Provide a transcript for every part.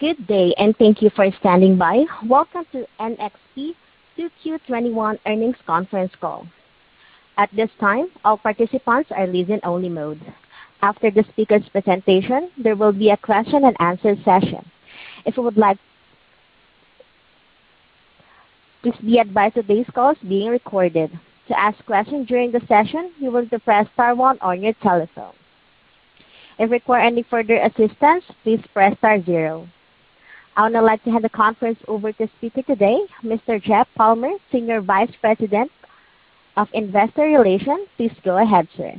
Good day. Thank you for standing by. Welcome to NXP 2Q 2021 Earnings Conference Call. At this time, all participants are listen-only mode. After the speaker's presentation, there will be a question-and-answer session. Please be advised today's call is being recorded. To ask questions during the session, you will press star one on your telephone. If you require any further assistance, please press star zero. I would now like to hand the conference over to speaker today, Mr. Jeff Palmer, Senior Vice President of Investor Relations. Please go ahead, sir.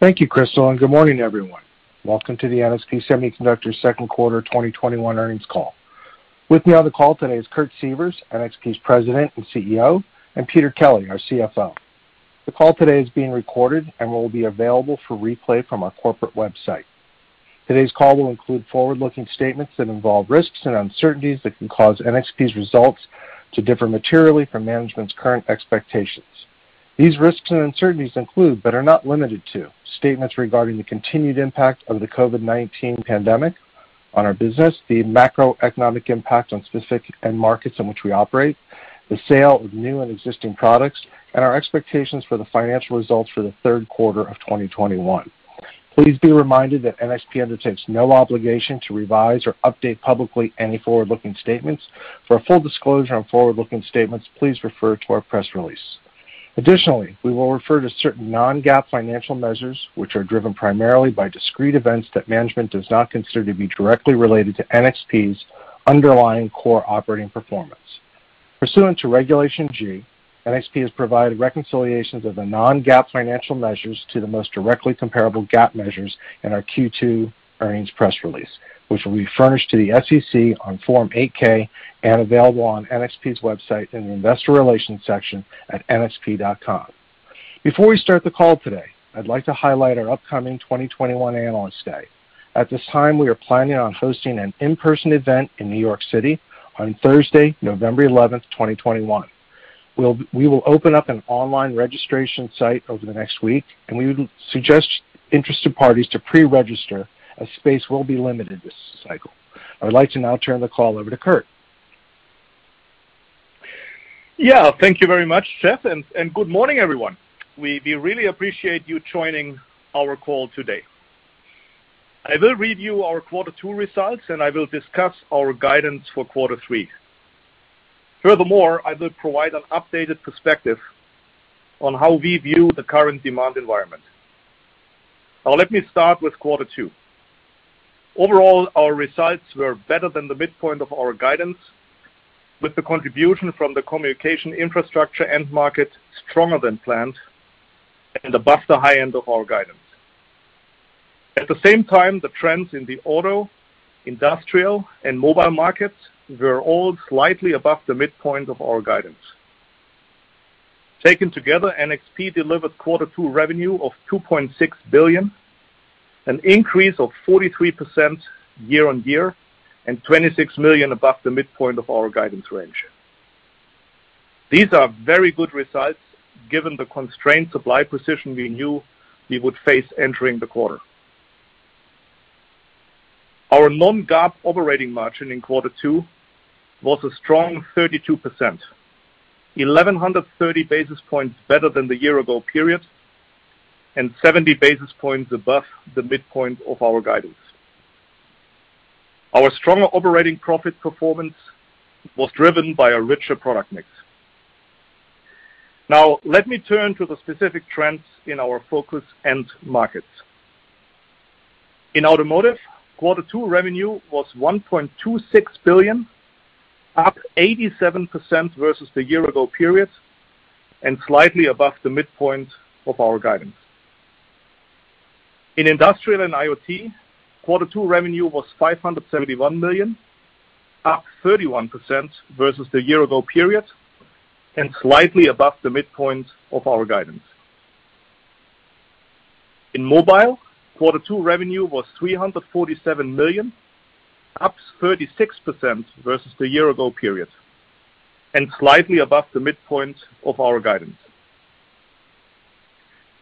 Thank you, Crystal, and good morning, everyone. Welcome to the NXP Semiconductors second quarter 2021 earnings call. With me on the call today is Kurt Sievers, NXP's President and CEO, and Peter Kelly, our CFO. The call today is being recorded and will be available for replay from our corporate website. Today's call will include forward-looking statements that involve risks and uncertainties that can cause NXP's results to differ materially from management's current expectations. These risks and uncertainties include, but are not limited to, statements regarding the continued impact of the COVID-19 pandemic on our business, the macroeconomic impact on specific end markets in which we operate, the sale of new and existing products, and our expectations for the financial results for the third quarter of 2021. Please be reminded that NXP undertakes no obligation to revise or update publicly any forward-looking statements. For a full disclosure on forward-looking statements, please refer to our press release. Additionally, we will refer to certain non-GAAP financial measures, which are driven primarily by discrete events that management does not consider to be directly related to NXP's underlying core operating performance. Pursuant to Regulation G, NXP has provided reconciliations of the non-GAAP financial measures to the most directly comparable GAAP measures in our Q2 earnings press release, which will be furnished to the SEC on Form 8-K and available on NXP's website in the investor relations section at nxp.com. Before we start the call today, I'd like to highlight our upcoming 2021 Analyst Day. At this time, we are planning on hosting an in-person event in New York City on Thursday, November 11th, 2021. We will open up an online registration site over the next week, and we would suggest interested parties to pre-register, as space will be limited this cycle. I would like to now turn the call over to Kurt. Yeah, thank you very much, Jeff, and good morning, everyone. We really appreciate you joining our call today. I will review our quarter two results, and I will discuss our guidance for quarter three. Furthermore, I will provide an updated perspective on how we view the current demand environment. Now, let me start with quarter two. Overall, our results were better than the midpoint of our guidance with the contribution from the Communication Infrastructure end market stronger than planned and above the high end of our guidance. At the same time, the trends in the auto, industrial, and Mobile markets were all slightly above the midpoint of our guidance. Taken together, NXP delivered quarter two revenue of $2.6 billion, an increase of 43% year-on-year, and $26 million above the midpoint of our guidance range. These are very good results given the constrained supply position we knew we would face entering the quarter. Our non-GAAP operating margin in quarter two was a strong 32%, 1,130 basis points better than the year ago period, and 70 basis points above the midpoint of our guidance. Our stronger operating profit performance was driven by a richer product mix. Now, let me turn to the specific trends in our focus end markets. In Automotive, quarter two revenue was $1.26 billion, up 87% versus the year ago period, and slightly above the midpoint of our guidance. In industrial and IoT, quarter two revenue was $571 million, up 31% versus the year ago period, and slightly above the midpoint of our guidance. In Mobile, quarter two revenue was $347 million, up 36% versus the year ago period, and slightly above the midpoint of our guidance.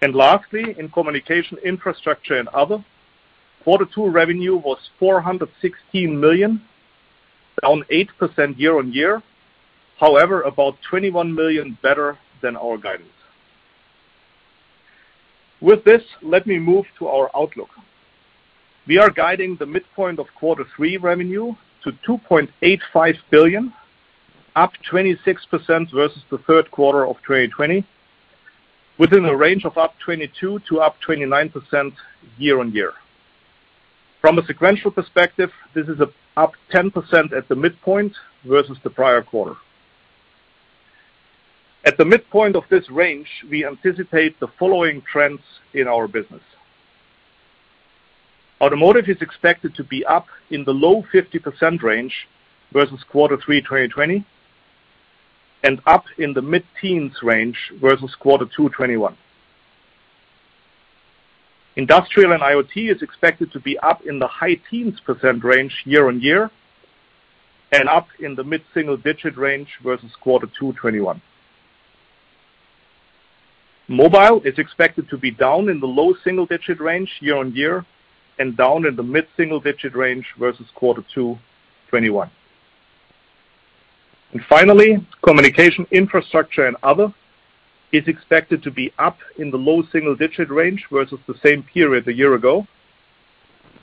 Lastly, in Communication Infrastructure and other, quarter two revenue was $416 million, down 8% year-on-year. However, about $21 million better than our guidance. With this, let me move to our outlook. We are guiding the midpoint of quarter three revenue to $2.85 billion, up 26% versus the third quarter of 2020, within a range of 22%-29% year-on-year. From a sequential perspective, this is up 10% at the midpoint versus the prior quarter. At the midpoint of this range, we anticipate the following trends in our business. Automotive is expected to be up in the low 50% range versus quarter three 2020, and up in the mid-teens range versus quarter two 2021. Industrial and IoT is expected to be up in the high teens percent range year-on-year, and up in the mid-single digit range versus quarter two 2021. Mobile is expected to be down in the low single-digit range year-on-year, and down in the mid-single digit range versus quarter two 2021. Finally, Communication Infrastructure and other is expected to be up in the low single-digit range versus the same period a year ago,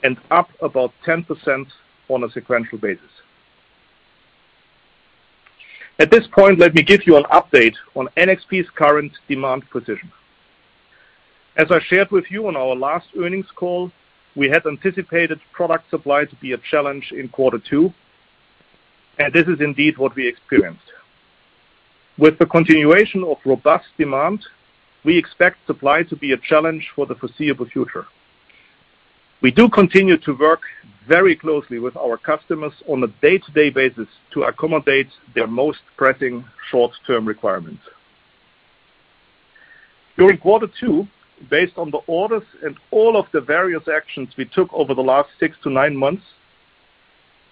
and up about 10% on a sequential basis. At this point, let me give you an update on NXP's current demand position. As I shared with you on our last earnings call, we had anticipated product supply to be a challenge in quarter two, and this is indeed what we experienced. With the continuation of robust demand, we expect supply to be a challenge for the foreseeable future. We do continue to work very closely with our customers on a day-to-day basis to accommodate their most pressing short-term requirements. During quarter two, based on the orders and all of the various actions we took over the last six to nine months,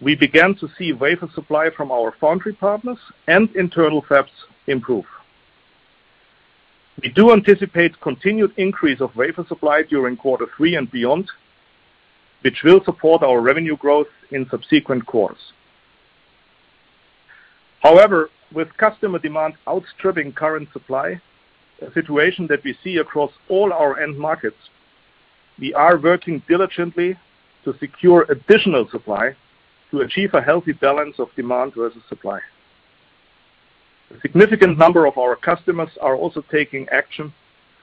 we began to see wafer supply from our foundry partners and internal fabs improve. We do anticipate continued increase of wafer supply during quarter three and beyond, which will support our revenue growth in subsequent quarters. With customer demand outstripping current supply, a situation that we see across all our end markets, we are working diligently to secure additional supply to achieve a healthy balance of demand versus supply. A significant number of our customers are also taking action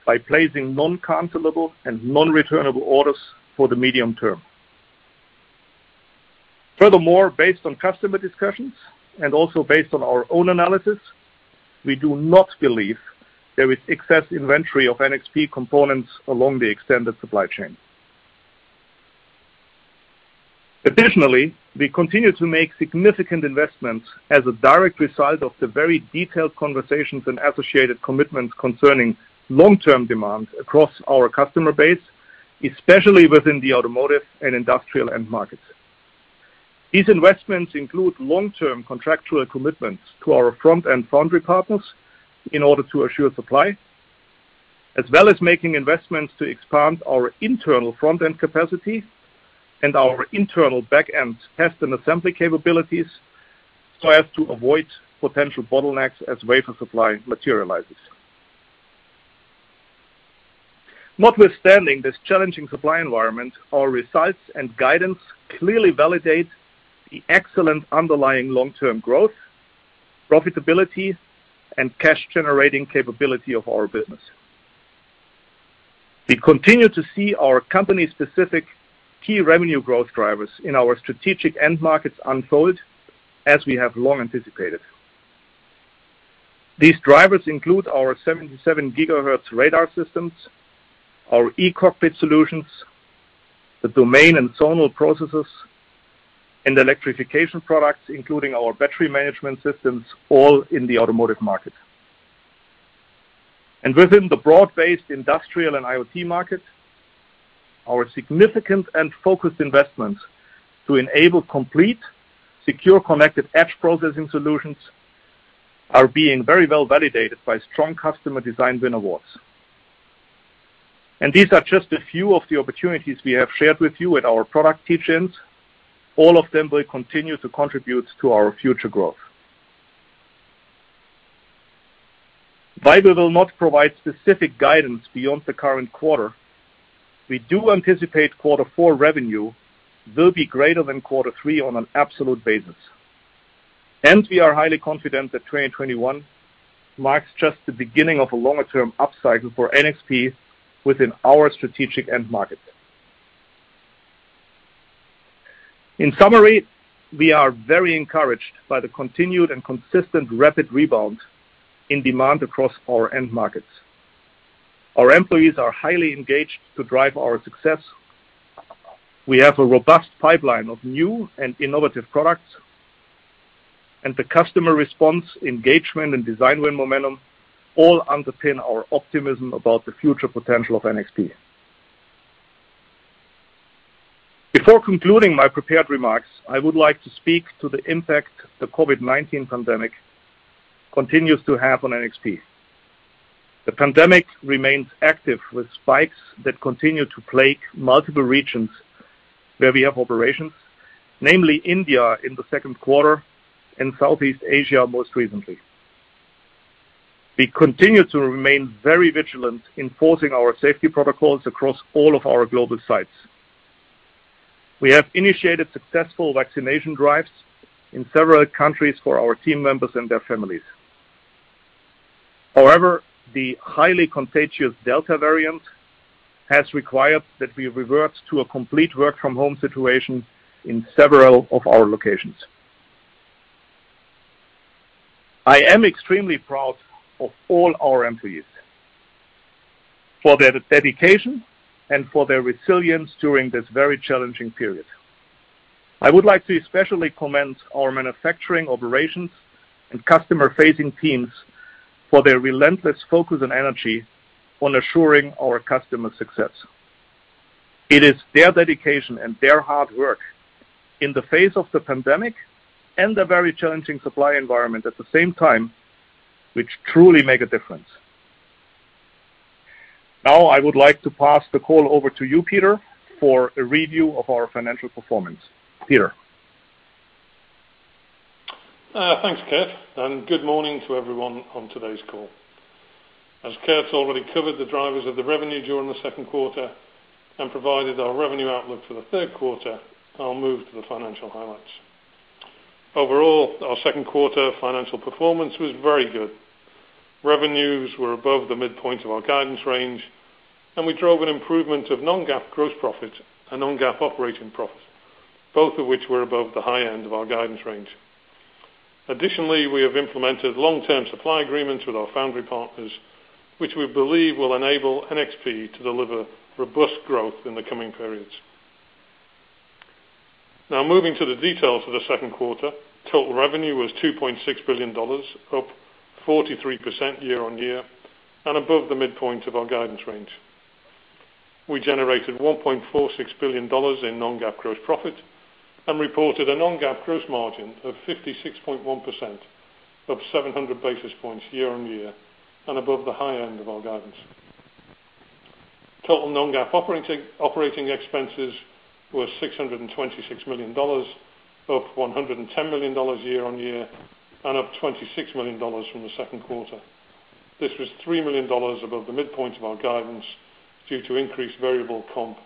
by placing non-cancellable and non-returnable orders for the medium term. Furthermore, based on customer discussions and also based on our own analysis, we do not believe there is excess inventory of NXP components along the extended supply chain. Additionally, we continue to make significant investments as a direct result of the very detailed conversations and associated commitments concerning long-term demands across our customer base, especially within the Automotive and industrial end markets. These investments include long-term contractual commitments to our front-end foundry partners in order to assure supply, as well as making investments to expand our internal front-end capacity and our internal back-end test and assembly capabilities, so as to avoid potential bottlenecks as wafer supply materializes. Not with standing this challenging supply environment, our results and guidance clearly validate the excellent underlying long-term growth, profitability, and cash-generating capability of our business. We continue to see our company-specific key revenue growth drivers in our strategic end markets unfold as we have long anticipated. These drivers include our 77 GHz radar systems, our eCockpit solutions, the domain and zonal processors, and electrification products, including our battery management systems, all in the Automotive market. Within the broad-based industrial and IoT market, our significant and focused investments to enable complete, secure, connected edge processing solutions are being very well validated by strong customer design win awards. These are just a few of the opportunities we have shared with you in our product teach-ins, all of them will continue to contribute to our future growth. While we will not provide specific guidance beyond the current quarter, we do anticipate quarter four revenue will be greater than quarter three on an absolute basis. We are highly confident that 2021 marks just the beginning of a longer-term upcycle for NXP within our strategic end markets. In summary, we are very encouraged by the continued and consistent rapid rebound in demand across our end markets. Our employees are highly engaged to drive our success. We have a robust pipeline of new and innovative products. The customer response, engagement, and design win momentum all underpin our optimism about the future potential of NXP. Before concluding my prepared remarks, I would like to speak to the impact the COVID-19 pandemic continues to have on NXP. The pandemic remains active with spikes that continue to plague multiple regions where we have operations, namely India in the second quarter, and Southeast Asia most recently. We continue to remain very vigilant enforcing our safety protocols across all of our global sites. We have initiated successful vaccination drives in several countries for our team members and their families. The highly contagious Delta variant has required that we revert to a complete work-from-home situation in several of our locations. I am extremely proud of all our employees for their dedication and for their resilience during this very challenging period. I would like to especially commend our manufacturing operations and customer-facing teams for their relentless focus and energy on assuring our customer success. It is their dedication and their hard work in the face of the pandemic and the very challenging supply environment at the same time, which truly make a difference. I would like to pass the call over to you, Peter, for a review of our financial performance. Peter? Thanks, Kurt. Good morning to everyone on today's call. As Kurt's already covered the drivers of the revenue during the second quarter and provided our revenue outlook for the third quarter, I'll move to the financial highlights. Overall, our second quarter financial performance was very good. Revenues were above the midpoint of our guidance range. We drove an improvement of non-GAAP gross profit and non-GAAP operating profit, both of which were above the high end of our guidance range. Additionally, we have implemented long-term supply agreements with our foundry partners, which we believe will enable NXP to deliver robust growth in the coming periods. Now, moving to the details for the second quarter, total revenue was $2.6 billion, up 43% year-over-year and above the midpoint of our guidance range. We generated $1.46 billion in non-GAAP gross profit and reported a non-GAAP gross margin of 56.1%, up 700 basis points year-on-year and above the high end of our guidance. Total non-GAAP operating expenses were $626 million, up $110 million year-on-year, and up $26 million from the second quarter. This was $3 million above the midpoint of our guidance due to increased variable comp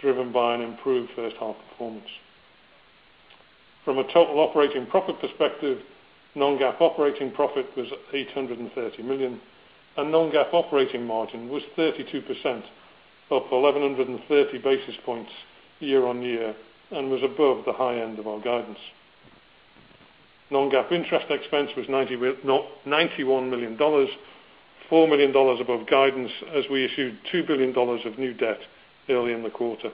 driven by an improved first-half performance. From a total operating profit perspective, non-GAAP operating profit was $830 million, and non-GAAP operating margin was 32%, up 1,130 basis points year-on-year, and was above the high end of our guidance. Non-GAAP interest expense was $91 million, $4 million above guidance as we issued $2 billion of new debt early in the quarter.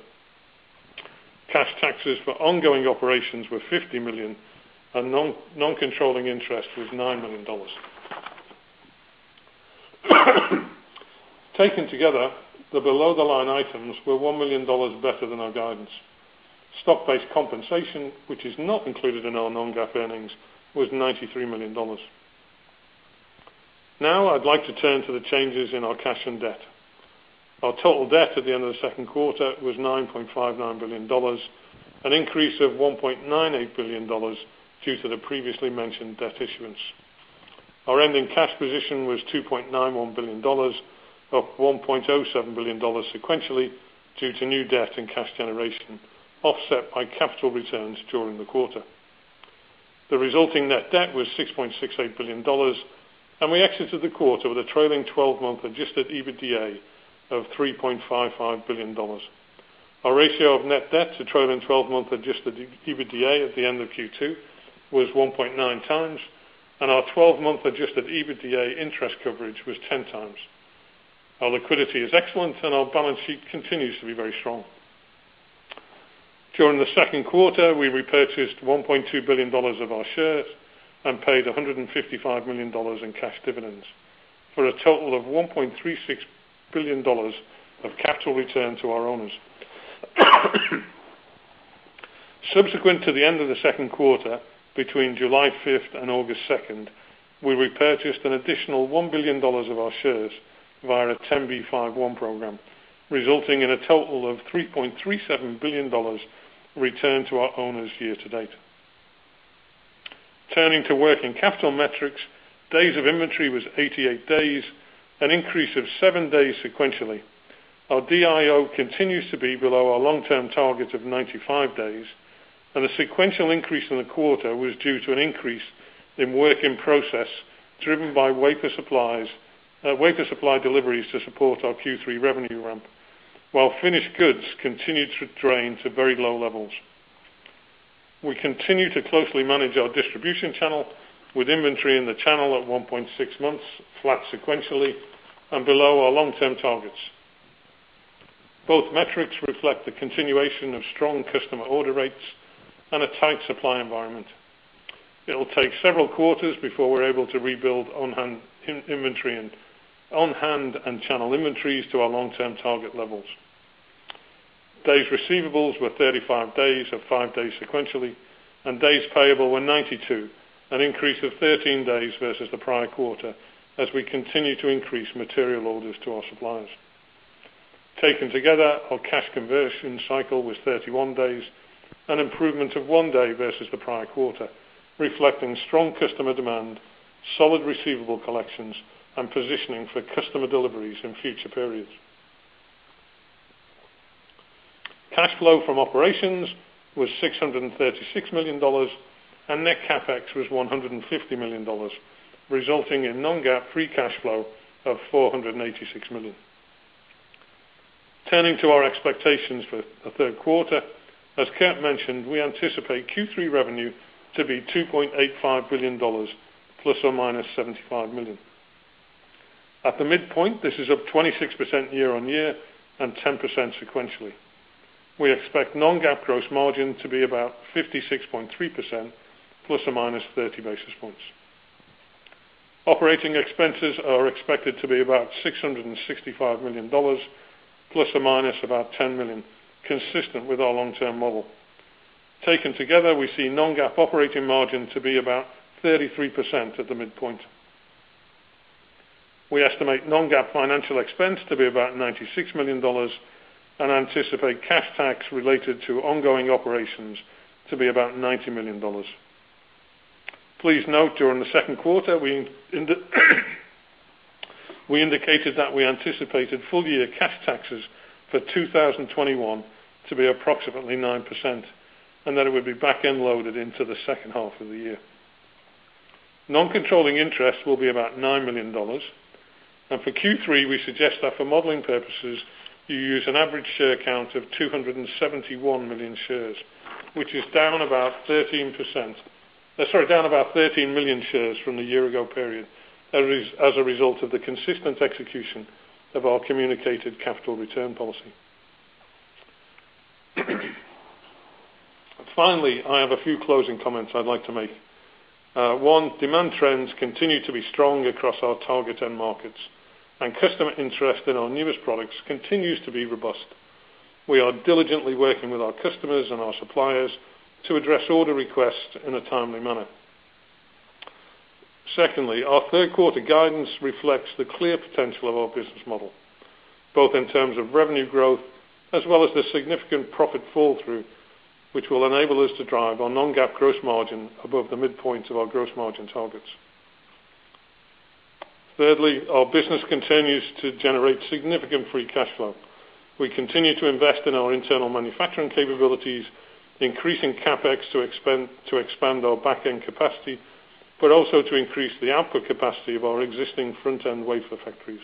Cash taxes for ongoing operations were $50 million, and non-controlling interest was $9 million. Taken together, the below-the-line items were $1 million better than our guidance. Stock-based compensation, which is not included in our non-GAAP earnings, was $93 million. I'd like to turn to the changes in our cash and debt. Our total debt at the end of the second quarter was $9.59 billion, an increase of $1.98 billion due to the previously mentioned debt issuance. Our ending cash position was $2.91 billion, up $1.07 billion sequentially due to new debt and cash generation offset by capital returns during the quarter. The resulting net debt was $6.68 billion, and we exited the quarter with a trailing 12 month adjusted EBITDA of $3.55 billion. Our ratio of net debt to trailing 12 month adjusted EBITDA at the end of Q2 was 1.9 times, and our 12 month adjusted EBITDA interest coverage was 10 times. Our liquidity is excellent, and our balance sheet continues to be very strong. During the second quarter, we repurchased $1.2 billion of our shares and paid $155 million in cash dividends for a total of $1.36 billion of capital returned to our owners. Subsequent to the end of the second quarter, between July 5th and August 2nd, we repurchased an additional $1 billion of our shares via a 10b5-1 program, resulting in a total of $3.37 billion returned to our owners year to date. Turning to working capital metrics, days of inventory was 88 days, an increase of seven days sequentially. Our DIO continues to be below our long-term target of 95 days, and the sequential increase in the quarter was due to an increase in work in process driven by wafer supply deliveries to support our Q3 revenue ramp, while finished goods continued to drain to very low levels. We continue to closely manage our distribution channel with inventory in the channel at 1.6 months, flat sequentially and below our long-term targets. Both metrics reflect the continuation of strong customer order rates and a tight supply environment. It'll take several quarters before we're able to rebuild on hand and channel inventories to our long-term target levels. Days receivables were 35 days, up five days sequentially, and days payable were 92, an increase of 13 days versus the prior quarter as we continue to increase material orders to our suppliers. Taken together, our cash conversion cycle was 31 days, an improvement of one day versus the prior quarter, reflecting strong customer demand, solid receivable collections, and positioning for customer deliveries in future periods. Cash flow from operations was $636 million, and net CapEx was $150 million, resulting in non-GAAP free cash flow of $486 million. Turning to our expectations for the third quarter, as Kurt mentioned, we anticipate Q3 revenue to be $2.85 billion, ±$75 million. At the midpoint, this is up 26% year-on-year and 10% sequentially. We expect non-GAAP gross margin to be about 56.3%, ±30 basis points. Operating expenses are expected to be about $665 million plus or minus about $10 million, consistent with our long-term model. Taken together, we see non-GAAP operating margin to be about 33% at the midpoint. We estimate non-GAAP financial expense to be about $96 million and anticipate cash tax related to ongoing operations to be about $90 million. Please note, during the second quarter, we indicated that we anticipated full year cash taxes for 2021 to be approximately 9%, and that it would be back-end loaded into the second half of the year. Non-controlling interest will be about $9 million. For Q3, we suggest that for modeling purposes, you use an average share count of 271 million shares, which is down about 13 million shares from the year ago period, as a result of the consistent execution of our communicated capital return policy. Finally, I have a few closing comments I'd like to make. One, demand trends continue to be strong across our target end markets, and customer interest in our newest products continues to be robust. We are diligently working with our customers and our suppliers to address order requests in a timely manner. Secondly, our third quarter guidance reflects the clear potential of our business model, both in terms of revenue growth as well as the significant profit fall-through, which will enable us to drive our non-GAAP gross margin above the midpoint of our gross margin targets. Thirdly, our business continues to generate significant free cash flow. We continue to invest in our internal manufacturing capabilities, increasing CapEx to expand our back-end capacity, but also to increase the output capacity of our existing front-end wafer factories.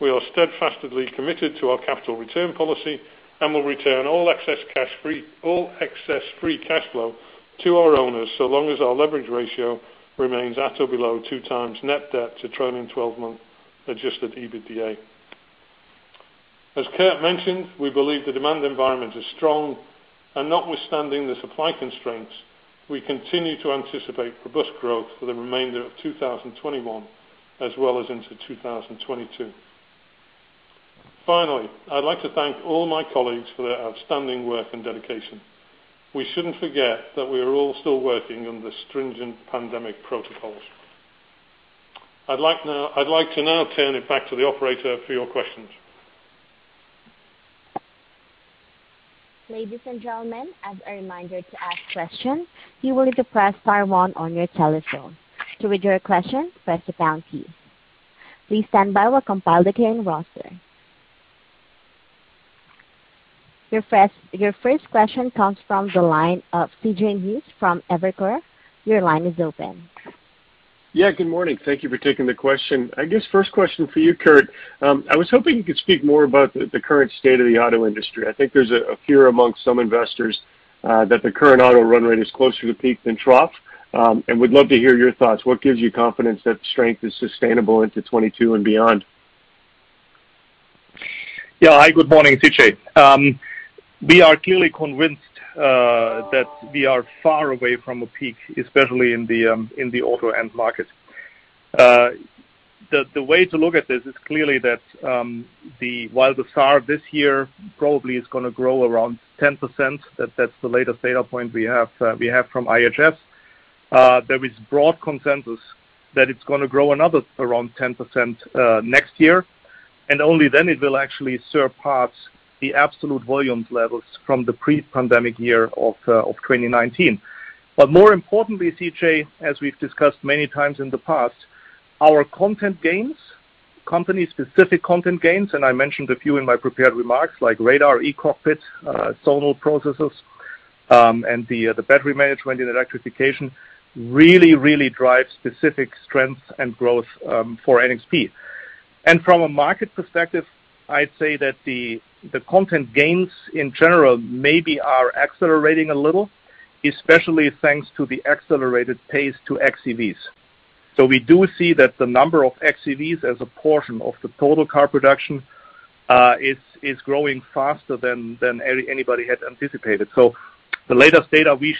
We are steadfastly committed to our capital return policy and will return all excess free cash flow to our owners, so long as our leverage ratio remains at or below 2 times net debt to trailing 12 month adjusted EBITDA. As Kurt mentioned, we believe the demand environment is strong and notwithstanding the supply constraints, we continue to anticipate robust growth for the remainder of 2021, as well as into 2022. Finally, I'd like to thank all my colleagues for their outstanding work and dedication. We shouldn't forget that we are all still working under stringent pandemic protocols. I'd like to now turn it back to the operator for your questions. Your first question comes from the line of C.J. Muse from Evercore. Your line is open. Yeah, good morning. Thank you for taking the question. I guess first question for you, Kurt. I was hoping you could speak more about the current state of the auto industry. I think there's a fear amongst some investors that the current auto run rate is closer to peak than trough, and would love to hear your thoughts. What gives you confidence that strength is sustainable into 2022 and beyond? Yeah. Hi, good morning, C.J. We are clearly convinced that we are far away from a peak, especially in the auto end market. The way to look at this is clearly that while the SAAR this year probably is gonna grow around 10%, that's the latest data point we have from IHS. There is broad consensus that it's gonna grow another around 10% next year, only then it will actually surpass the absolute volumes levels from the pre-pandemic year of 2019. More importantly, C.J., as we've discussed many times in the past, our content gains, company specific content gains, and I mentioned a few in my prepared remarks, like radar, eCockpit, zonal processors, and the battery management and electrification really drives specific strengths and growth for NXP. From a market perspective, I'd say that the content gains in general maybe are accelerating a little, especially thanks to the accelerated pace to xEVs. We do see that the number of xEVs as a portion of the total car production is growing faster than anybody had anticipated. The latest data we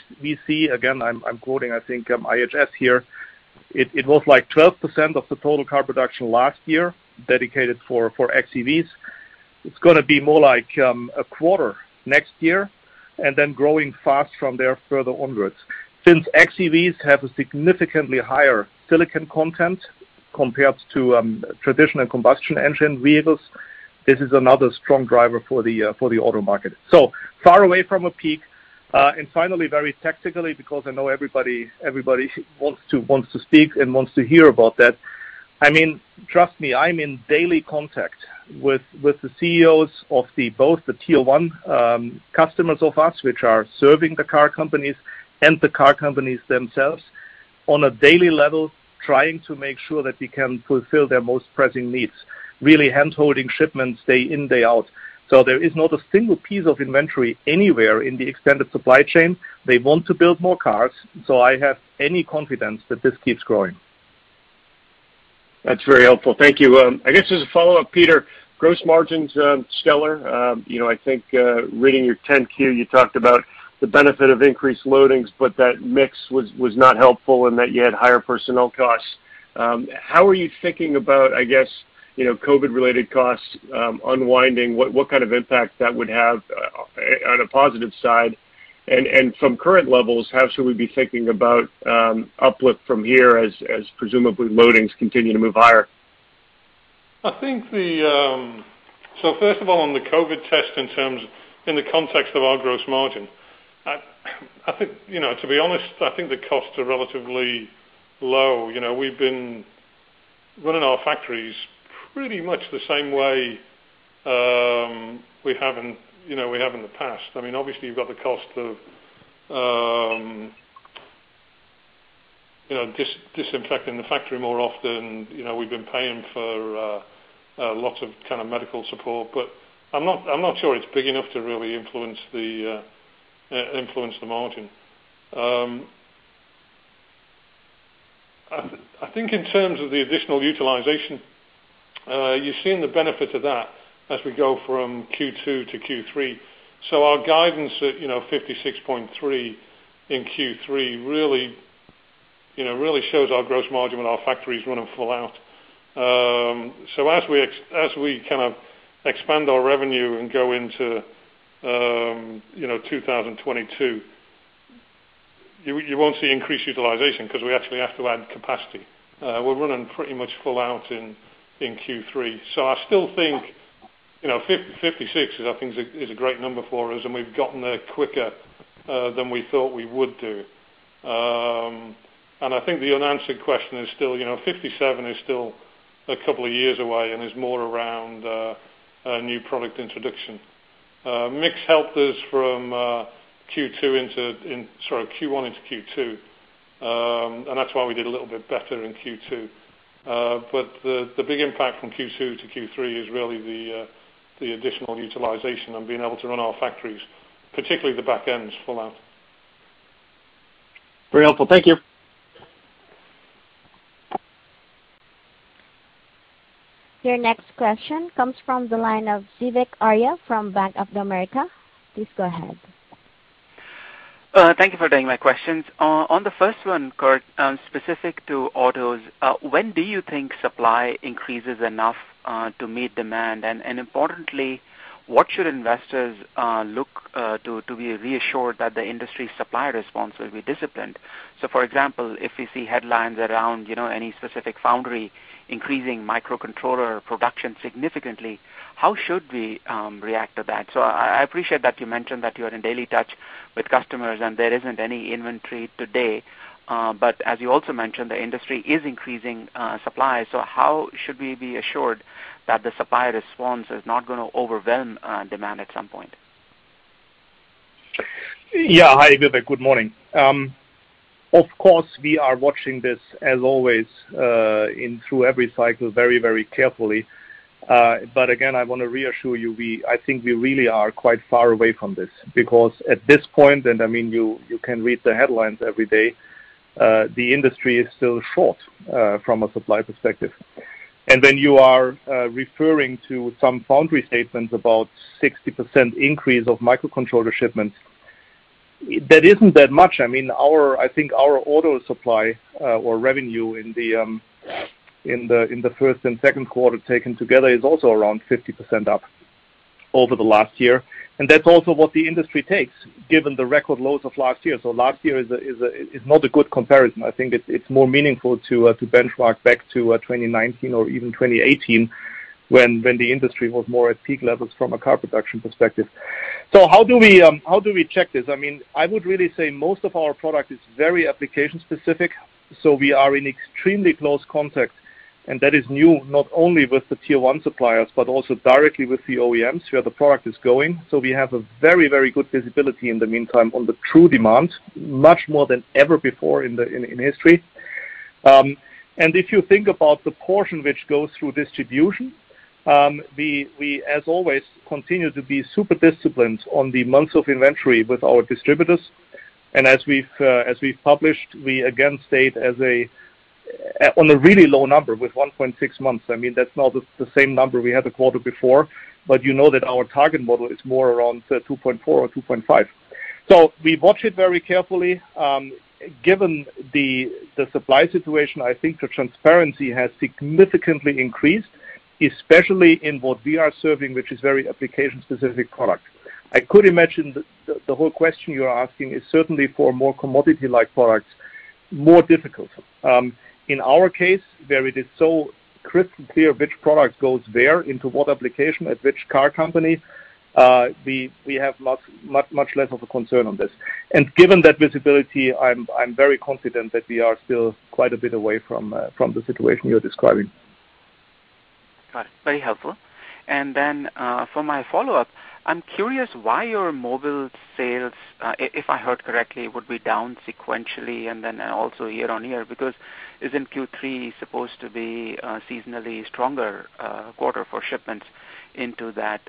see, again, I'm quoting, I think, IHS here. It was like 12% of the total car production last year dedicated for xEVs. It's gonna be more like a quarter next year, and then growing fast from there further onwards. Since xEVs have a significantly higher silicon content compared to traditional combustion engine vehicles, this is another strong driver for the auto market. Far away from a peak. Finally, very technically, because I know everybody wants to speak and wants to hear about that. Trust me, I'm in daily contact with the CEOs of both the Tier 1 customers of us, which are serving the car companies, and the car companies themselves on a daily level, trying to make sure that we can fulfill their most pressing needs, really handholding shipments day in, day out. There is not a single piece of inventory anywhere in the extended supply chain. They want to build more cars. I have any confidence that this keeps growing. That's very helpful. Thank you. I guess as a follow-up, Peter, gross margins, stellar. I think, reading your 10-Q, you talked about the benefit of increased loadings, but that mix was not helpful and that you had higher personnel costs. How are you thinking about, I guess, COVID-related costs unwinding, what kind of impact that would have on a positive side? From current levels, how should we be thinking about uplift from here as presumably loadings continue to move higher? First of all, on the COVID test in the context of our gross margin, to be honest, I think the costs are relatively low. We've been running our factories pretty much the same way we have in the past. Obviously, you've got the cost of disinfecting the factory more often. We've been paying for lots of medical support, but I'm not sure it's big enough to really influence the margin. I think in terms of the additional utilization, you've seen the benefit of that as we go from Q2 to Q3. Our guidance at 56.3 in Q3 really shows our gross margin when our factory is running full out. As we kind of expand our revenue and go into 2022, you won't see increased utilization because we actually have to add capacity. We're running pretty much full out in Q3. I still think 56 is a great number for us, and we've gotten there quicker than we thought we would do. I think the unanswered question is still, 57 is still a couple of years away and is more around new product introduction. Mix helped us from Q1 into Q2, and that's why we did a little bit better in Q2. The big impact from Q2 to Q3 is really the additional utilization and being able to run our factories, particularly the back ends, full out. Very helpful. Thank you. Your next question comes from the line of Vivek Arya from Bank of America. Please go ahead. Thank you for taking my questions. On the first one, Kurt, specific to autos, when do you think supply increases enough to meet demand? Importantly, what should investors look to be reassured that the industry supply response will be disciplined? For example, if we see headlines around any specific foundry increasing microcontroller production significantly, how should we react to that? I appreciate that you mentioned that you are in daily touch with customers and there isn't any inventory today. As you also mentioned, the industry is increasing supply. How should we be assured that the supply response is not going to overwhelm demand at some point? Yeah. Hi, Vivek. Good morning. Of course, we are watching this as always, in through every cycle very carefully. Again, I want to reassure you, I think we really are quite far away from this because at this point, and you can read the headlines every day, the industry is still short from a supply perspective. When you are referring to some foundry statements about 60% increase of microcontroller shipments, that isn't that much. I think our auto supply or revenue in the first and second quarter taken together is also around 50% up over the last year. That's also what the industry takes given the record lows of last year. Last year is not a good comparison. I think it's more meaningful to benchmark back to 2019 or even 2018 when the industry was more at peak levels from a car production perspective. How do we check this? I would really say most of our product is very application specific, so we are in extremely close contact, and that is new not only with the Tier 1 suppliers, but also directly with the OEMs where the product is going. We have a very good visibility in the meantime on the true demand, much more than ever before in history. If you think about the portion which goes through distribution, we as always continue to be super disciplined on the months of inventory with our distributors. As we've published, we again state on a really low number with 1.6 months. That's not the same number we had the quarter before, but you know that our target model is more around 2.4 or 2.5. We watch it very carefully. Given the supply situation, I think the transparency has significantly increased, especially in what we are serving, which is very application-specific product. I could imagine the whole question you are asking is certainly for more commodity-like products, more difficult. In our case, where it is so crystal clear which product goes where into what application at which car company, we have much less of a concern on this. Given that visibility, I'm very confident that we are still quite a bit away from the situation you're describing. Got it. Very helpful. For my follow-up, I'm curious why your Mobile sales, if I heard correctly, would be down sequentially and then also year-over-year, because isn't Q3 supposed to be a seasonally stronger quarter for shipments into that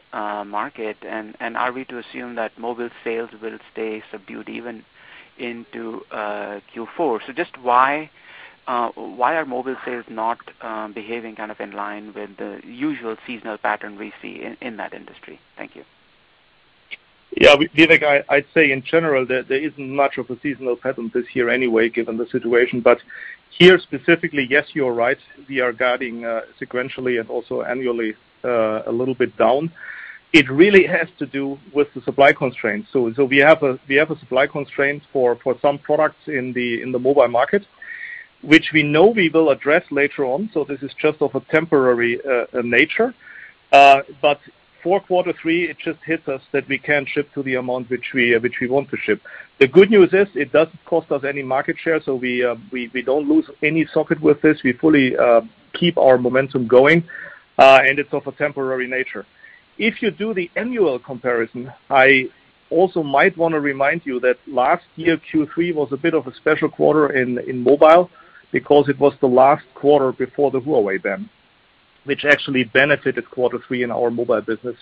market? Are we to assume that Mobile sales will stay subdued even into Q4? Just why are Mobile sales not behaving in line with the usual seasonal pattern we see in that industry? Thank you. Vivek, I'd say in general that there isn't much of a seasonal pattern this year anyway, given the situation. Here specifically, yes, you are right. We are guiding sequentially and also annually a little bit down. It really has to do with the supply constraints. We have a supply constraint for some products in the Mobile market, which we know we will address later on. This is just of a temporary nature. For quarter three, it just hits us that we can't ship to the amount which we want to ship. The good news is it doesn't cost us any market share, so we don't lose any socket with this. We fully keep our momentum going, and it's of a temporary nature. If you do the annual comparison, I also might want to remind you that last year, Q3 was a bit of a special quarter in Mobile because it was the last quarter before the Huawei ban, which actually benefited quarter three in our Mobile business,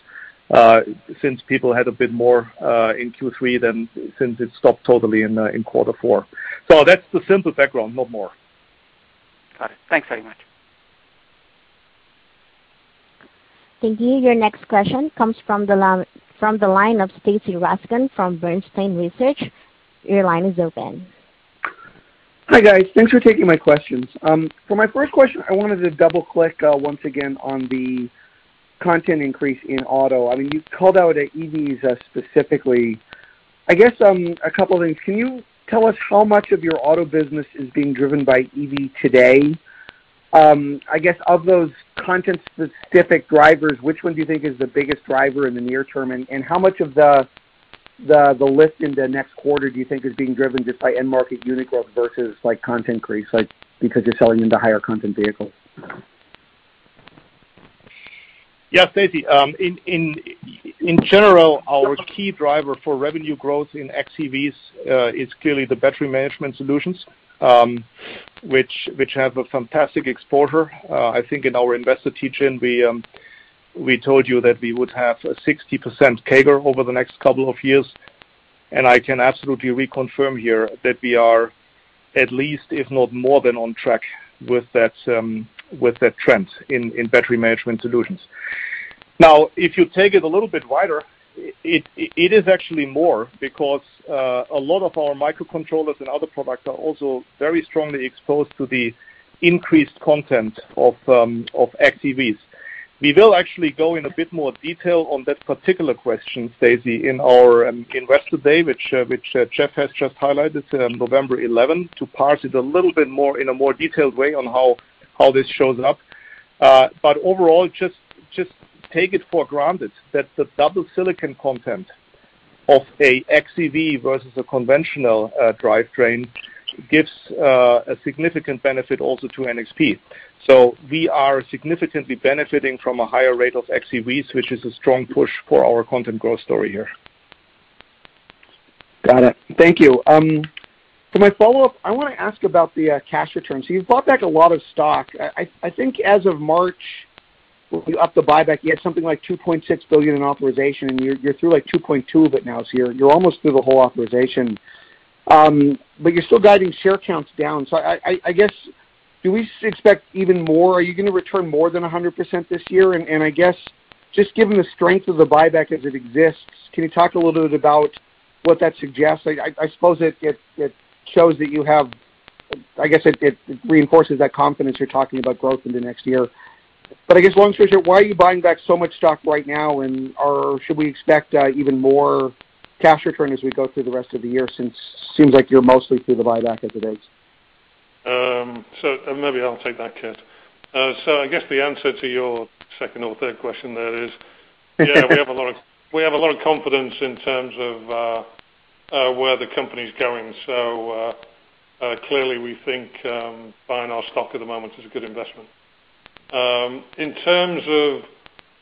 since people had a bit more, in Q3 since it stopped totally in quarter four. That's the simple background. Not more. Got it. Thanks very much. Thank you. Your next question comes from the line of Stacy Rasgon from Bernstein Research. Your line is open. Hi, guys. Thanks for taking my questions. For my first question, I wanted to double-click once again on the content increase in auto. You called out EVs specifically. I guess, a couple of things. Can you tell us how much of your auto business is being driven by EV today? I guess of those content-specific drivers, which one do you think is the biggest driver in the near term, and how much of the lift in the next quarter do you think is being driven just by end-market unit growth versus content increase, because you're selling into higher content vehicles? Yeah, Stacy. In general, our key driver for revenue growth in xEVs is clearly the battery management systems, which have a fantastic exposure. I think in our investor teach-in, we told you that we would have a 60% CAGR over the next couple of years, and I can absolutely reconfirm here that we are at least if not more than on track with that trend in battery management systems. Now, if you take it a little bit wider, it is actually more, because a lot of our microcontrollers and other products are also very strongly exposed to the increased content of xEVs. We will actually go in a bit more detail on that particular question, Stacy, in our Investor Day, which Jeff has just highlighted, November 11th, to parse it a little bit more in a more detailed way on how this shows up. Overall, just take it for granted that the double silicon content of a xEV versus a conventional drivetrain gives a significant benefit also to NXP. We are significantly benefiting from a higher rate of xEVs, which is a strong push for our content growth story here. Got it. Thank you. For my follow-up, I want to ask about the cash returns. You've bought back a lot of stock. I think as of March, when you upped the buyback, you had something like $2.6 billion in authorization, and you're through, like, $2.2 of it now. You're almost through the whole authorization. You're still guiding share counts down. I guess, do we expect even more? Are you going to return more than 100% this year? I guess, just given the strength of the buyback as it exists, can you talk a little bit about what that suggests? I suppose it reinforces that confidence you're talking about growth in the next year. I guess longer picture, why are you buying back so much stock right now, and should we expect even more cash return as we go through the rest of the year, since it seems like you're mostly through the buyback as it is? Maybe I'll take that, Kurt. I guess the answer to your second or third question there is, yeah, we have a lot of confidence in terms of where the company's going. Clearly we think buying our stock at the moment is a good investment. In terms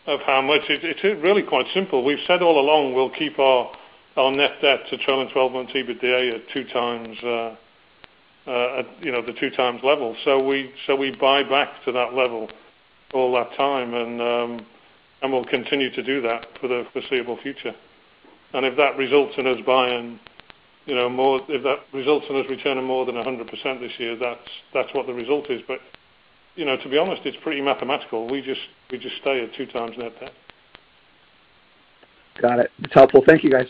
of how much, it is really quite simple. We've said all along we'll keep our net debt to trailing 12 month EBITDA at the 2 times level. We buy back to that level all that time, and we'll continue to do that for the foreseeable future. If that results in us returning more than 100% this year, that's what the result is. To be honest, it's pretty mathematical. We just stay at 2 times net debt. Got it. It's helpful. Thank you, guys.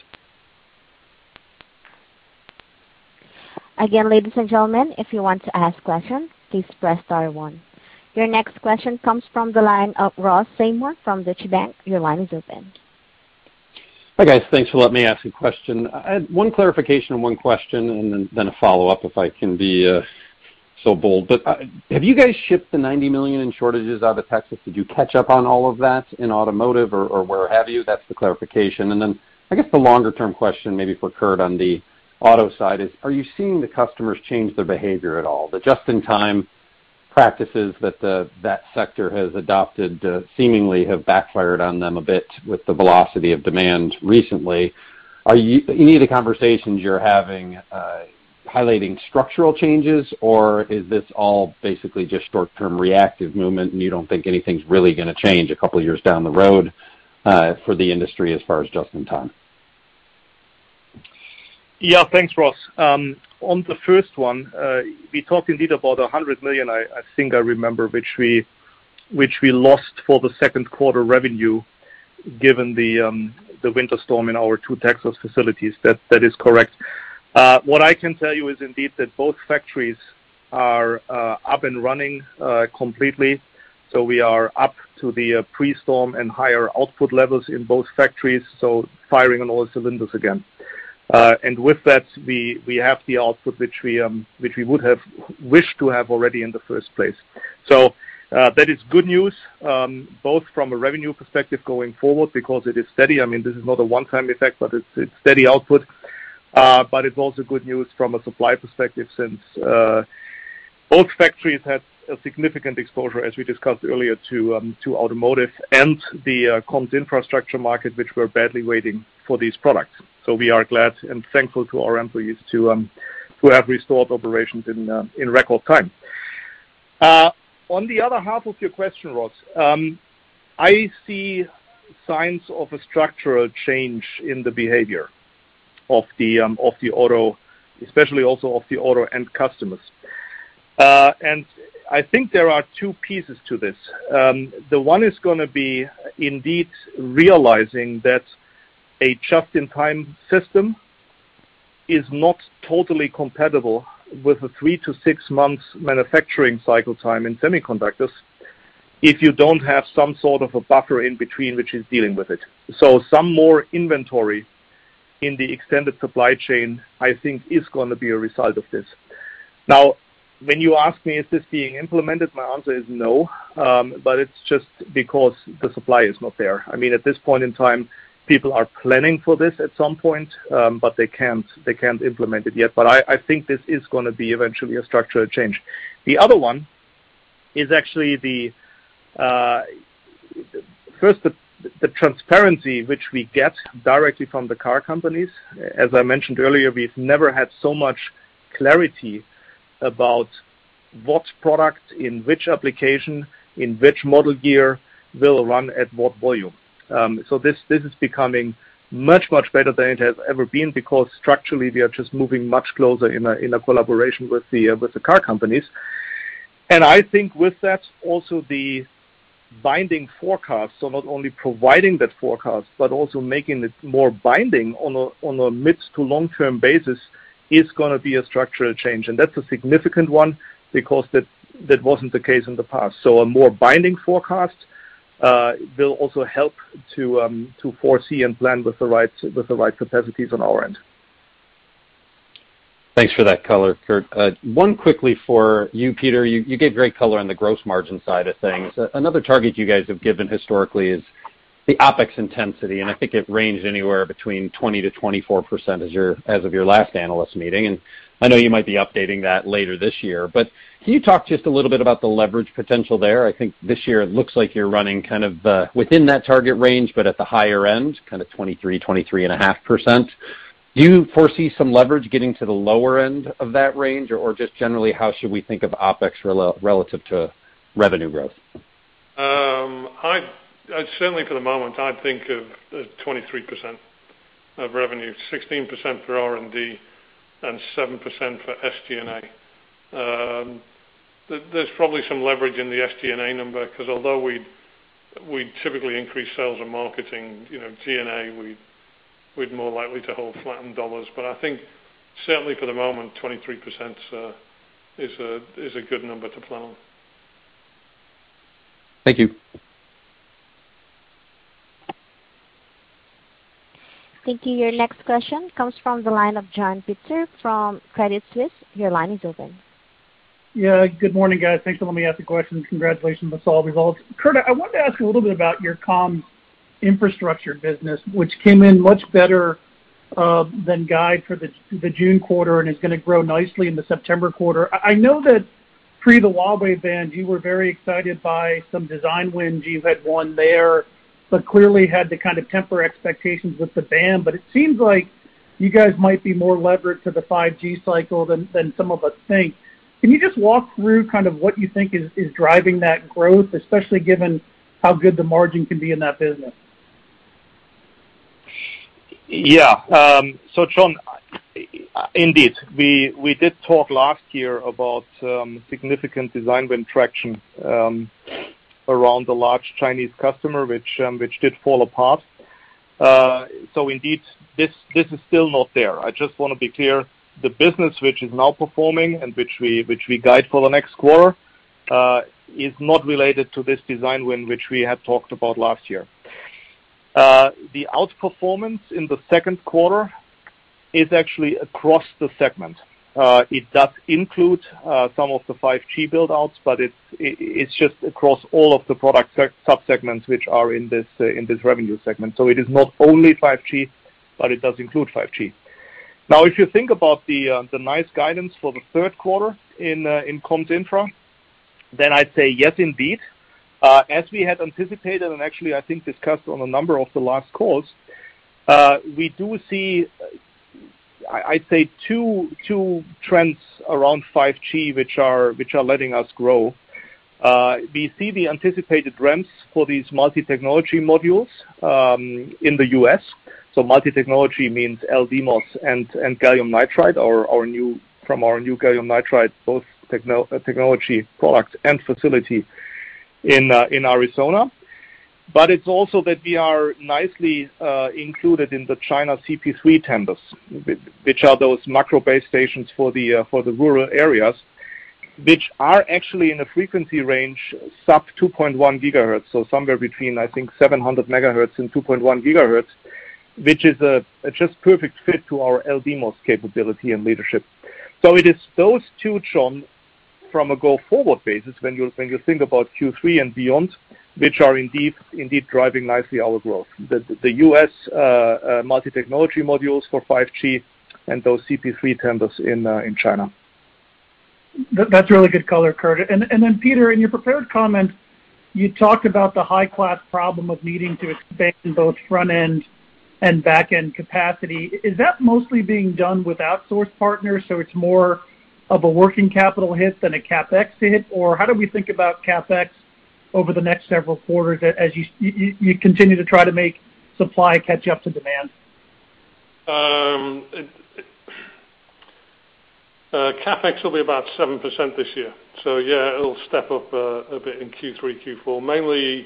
Again, ladies and gentlemen, if you want to ask questions, please press star one. Your next question comes from the line of Ross Seymore from Deutsche Bank. Hi, guys. Thanks for letting me ask a question. I had one clarification and one question, then a follow-up, if I can be so bold. Have you guys shipped the $90 million in shortages out of Texas? Did you catch up on all of that in Automotive or where have you? That's the clarification. I guess the longer-term question, maybe for Kurt on the auto side is, are you seeing the customers change their behavior at all? The just-in-time practices that that sector has adopted seemingly have backfired on them a bit with the velocity of demand recently. Any of the conversations you're having highlighting structural changes, or is this all basically just short-term reactive movement and you don't think anything's really going to change a couple of years down the road for the industry as far as just in time? Yeah, thanks, Ross. On the first one, we talked indeed about $100 million, I think I remember, which we lost for the second quarter revenue given the winter storm in our two Texas facilities. That is correct. What I can tell you is indeed that both factories are up and running completely. We are up to the pre-storm and higher output levels in both factories, so firing on all cylinders again. With that, we have the output which we would have wished to have already in the first place. That is good news, both from a revenue perspective going forward because it is steady. This is not a one-time effect, but it's steady output. It's also good news from a supply perspective since both factories had a significant exposure, as we discussed earlier, to Automotive and the Comms Infrastructure market, which were badly waiting for these products. We are glad and thankful to our employees to have restored operations in record time. On the other half of your question, Ross, I see signs of a structural change in the behavior, especially also of the auto end customers. I think there are two pieces to this. The one is going to be indeed realizing that a just-in-time system is not totally compatible with a three to six months manufacturing cycle time in semiconductors if you don't have some sort of a buffer in between which is dealing with it. Some more inventory in the extended supply chain, I think is going to be a result of this. When you ask me, is this being implemented? My answer is no, it's just because the supply is not there. At this point in time, people are planning for this at some point, they can't implement it yet. I think this is going to be eventually a structural change. The other one is actually first the transparency which we get directly from the car companies. As I mentioned earlier, we've never had so much clarity about what product, in which application, in which model year will run at what volume. This is becoming much, much better than it has ever been because structurally, we are just moving much closer in a collaboration with the car companies. I think with that, also the binding forecast. Not only providing that forecast, but also making it more binding on a mid to long-term basis is going to be a structural change. That's a significant one because that wasn't the case in the past. A more binding forecast will also help to foresee and plan with the right capacities on our end. Thanks for that color, Kurt. One quickly for you, Peter. You gave great color on the gross margin side of things. Another target you guys have given historically is the OpEx intensity. I think it ranged anywhere between 20%-24% as of your last analyst meeting. I know you might be updating that later this year, but can you talk just a little bit about the leverage potential there? I think this year it looks like you're running kind of within that target range, but at the higher end, kind of 23%, 23.5%. Do you foresee some leverage getting to the lower end of that range? Just generally, how should we think of OpEx relative to revenue growth? Certainly for the moment, I think of 23% of revenue, 16% for R&D, and 7% for SG&A. There's probably some leverage in the SG&A number because although we typically increase sales and marketing, G&A, we'd more likely to hold flattened dollars. I think certainly for the moment, 23% is a good number to plan on. Thank you. Thank you. Your next question comes from the line of John Pitzer from Credit Suisse. Your line is open. Yeah. Good morning, guys. Thanks for letting me ask the question. Congratulations on the solid results. Kurt, I wanted to ask you a little bit about your Comms Infrastructure business, which came in much better than guide for the June quarter and is going to grow nicely in the September quarter. I know that pre the Huawei ban, you were very excited by some design wins you had won there, but clearly had to kind of temper expectations with the ban, but it seems like you guys might be more levered to the 5G cycle than some of us think. Can you just walk through kind of what you think is driving that growth, especially given how good the margin can be in that business? John, indeed, we did talk last year about significant design win traction around a large Chinese customer, which did fall apart. Indeed, this is still not there. I just want to be clear, the business which is now performing and which we guide for the next quarter, is not related to this design win which we had talked about last year. The outperformance in the second quarter is actually across the segment. It does include some of the 5G build-outs, but it's just across all of the product sub-segments which are in this revenue segment. It is not only 5G, but it does include 5G. If you think about the nice guidance for the third quarter in Comms Infra I'd say yes, indeed. As we had anticipated, actually, I think discussed on a number of the last calls, we do see, I'd say, two trends around 5G which are letting us grow. We see the anticipated ramps for these multi-technology modules in the U.S. Multi-technology means LDMOS and gallium nitride from our new gallium nitride, both technology products and facility in Arizona. It's also that we are nicely included in the China CP3 tenders, which are those macro base stations for the rural areas, which are actually in a frequency range sub 2.1 GHz, somewhere between, I think 700 MHz and 2.1 GHz, which is a just perfect fit to our LDMOS capability and leadership. It is those two, John, from a go-forward basis, when you think about Q3 and beyond, which are indeed driving nicely our growth. The U.S. multi-technology modules for 5G and those CP3 tenders in China. That's really good color, Kurt. Peter, in your prepared comment, you talked about the high-class problem of needing to expand both front-end and back-end capacity. Is that mostly being done with outsourced partners, so it's more of a working capital hit than a CapEx hit? How do we think about CapEx over the next several quarters as you continue to try to make supply catch up to demand? CapEx will be about 7% this year. Yeah, it'll step up a bit in Q3, Q4. Mainly,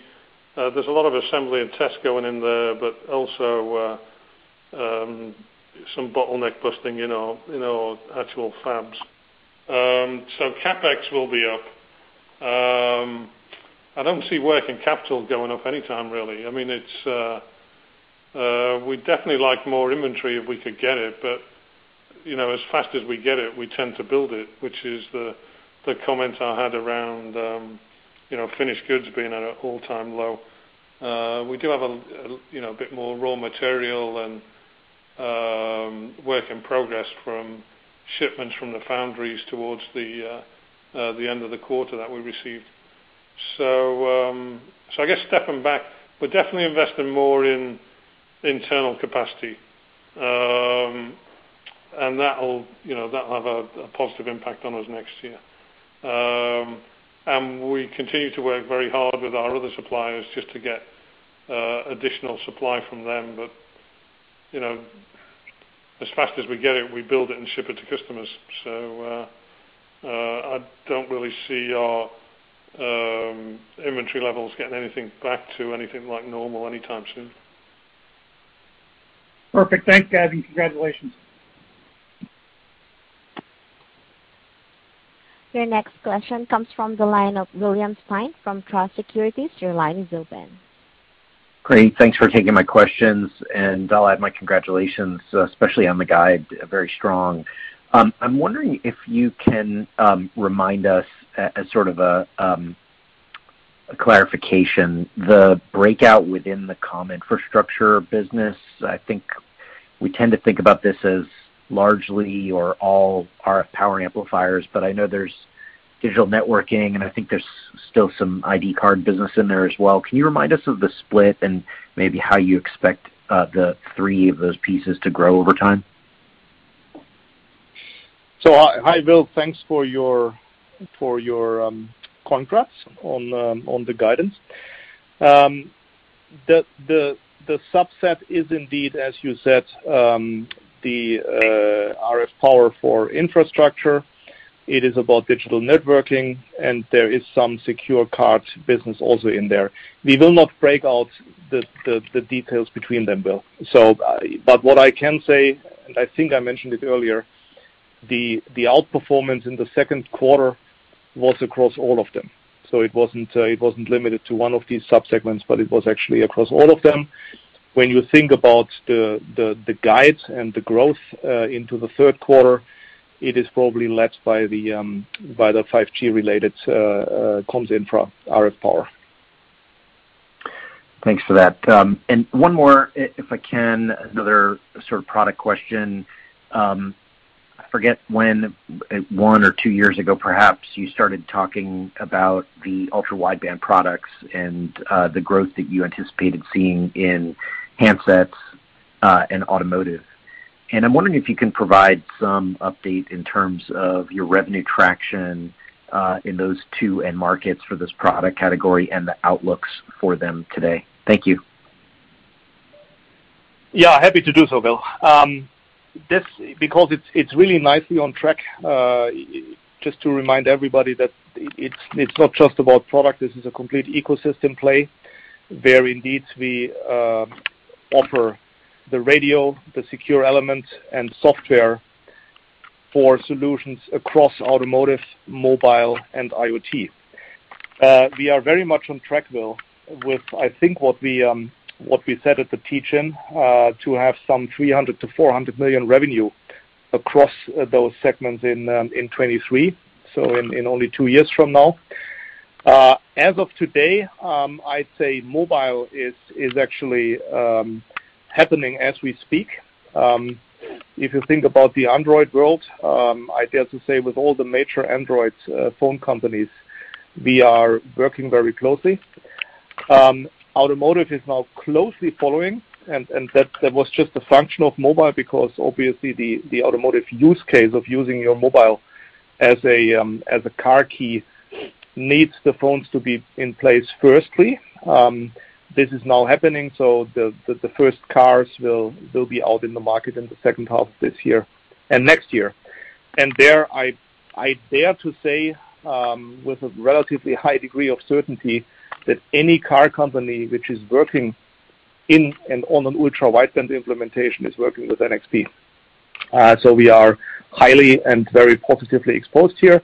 there's a lot of assembly and tests going in there, but also some bottleneck busting in our actual fabs. CapEx will be up. I don't see working capital going up anytime, really. We'd definitely like more inventory if we could get it, but as fast as we get it, we tend to build it, which is the comment I had around finished goods being at an all-time low. We do have a bit more raw material and work in progress from shipments from the foundries towards the end of the quarter that we received. I guess stepping back, we're definitely investing more in internal capacity. That'll have a positive impact on us next year. We continue to work very hard with our other suppliers just to get additional supply from them. As fast as we get it, we build it and ship it to customers. I don't really see our inventory levels getting back to anything like normal anytime soon. Perfect. Thanks, guys, and congratulations. Your next question comes from the line of William Stein from Truist Securities. Your line is open. Great. Thanks for taking my questions, and I'll add my congratulations, especially on the guide, very strong. I'm wondering if you can remind us, as sort of a clarification, the breakout within the Comm Infrastructure business. I think we tend to think about this as largely or all RF power amplifiers, but I know there's digital networking, and I think there's still some ID card business in there as well. Can you remind us of the split and maybe how you expect the three of those pieces to grow over time? Hi, Will. Thanks for your congrats on the guidance. The subset is indeed, as you said, the RF power for infrastructure. It is about digital networking, and there is some secure card business also in there. We will not break out the details between them, Will. What I can say, and I think I mentioned it earlier, the outperformance in the second quarter was across all of them. It wasn't limited to one of these sub-segments, but it was actually across all of them. When you think about the guides and the growth into the third quarter, it is probably led by the 5G-related Comms Infra RF power. Thanks for that. One more, if I can, another sort of product question. I forget when, one or two years ago, perhaps, you started talking about the ultra-wideband products and the growth that you anticipated seeing in handsets and Automotive. I'm wondering if you can provide some update in terms of your revenue traction in those two end markets for this product category and the outlooks for them today. Thank you. Yeah, happy to do so, Will. It's really nicely on track. Just to remind everybody that it's not just about product. This is a complete ecosystem play where indeed we offer the radio, the secure element, and software for solutions across Automotive, Mobile, and IoT. We are very much on track, Will, with, I think, what we said at the teach-in to have some $300 million-$400 million revenue across those segments in 2023, so in only two years from now. As of today, I'd say Mobile is actually happening as we speak. Okay. If you think about the Android world, I dare to say with all the major Android phone companies, we are working very closely. Automotive is now closely following. That was just a function of Mobile, because obviously the Automotive use case of using your Mobile as a car key needs the phones to be in place firstly. This is now happening. The first cars will be out in the market in the second half of this year and next year. There, I dare to say, with a relatively high degree of certainty, that any car company which is working in and on an ultra-wideband implementation is working with NXP. We are highly and very positively exposed here.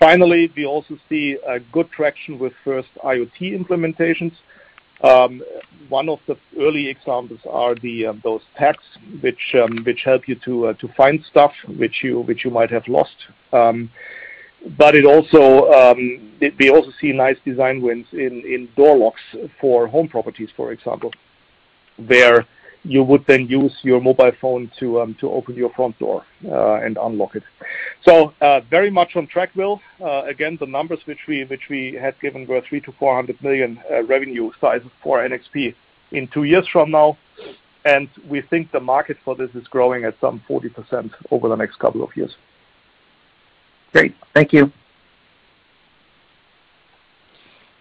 Finally, we also see a good traction with first IoT implementations. One of the early examples are those tags which help you to find stuff which you might have lost. We also see nice design wins in door locks for home properties, for example, where you would then use your Mobile phone to open your front door and unlock it. Very much on track, Will. Again, the numbers which we had given were $3 million-$400 million revenue sizes for NXP in two years from now, and we think the market for this is growing at some 40% over the next couple of years. Great. Thank you.